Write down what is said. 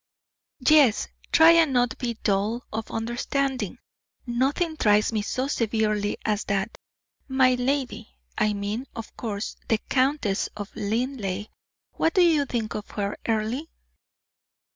"Yes! try and not be dull of understanding nothing tries me so severely as that. My lady! I mean, of course, the Countess of Linleigh. What do you think of her, Earle?"